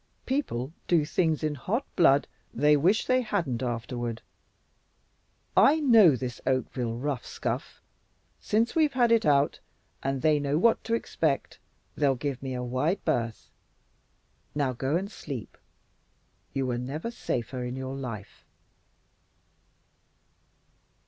People do things in hot blood they wish they hadn't afterward. I know this Oakville rough scuff. Since we've had it out, and they know what to expect, they'll give me a wide berth. Now go and sleep. You were never safer in your life."